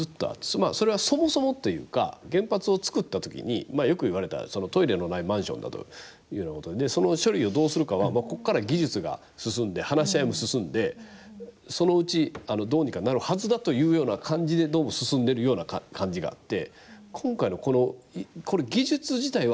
それは、そもそもというか原発を造った時によくいわれたトイレのないマンションだというようなことでその処理をどうするかはここから技術が進んで話し合いも進んでそのうち、どうにかなるはずだというような感じでどうも進んでるような感じがあって。